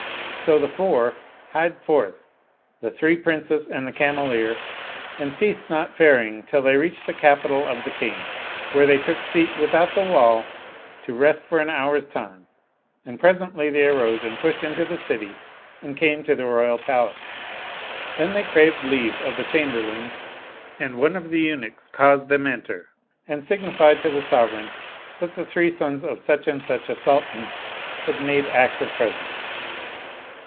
So the four hied forth, the three Princes and the Cameleer, and ceased not faring till they reached the capital of the King. There they took seat without the wall to rest for an hour's time, and presently they arose and pushed into the city and came to the royal Palace. Then tfiey craved leave of the Chamberlains, and one of the Eunuchs caused them enter and signified to the sovereign that the three sons of Such an such a Sultan had made act of presence.